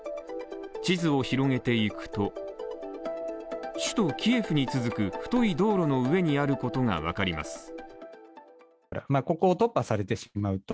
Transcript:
地図を広げていくと、首都キエフに続く太い道路の上にあることが分かります。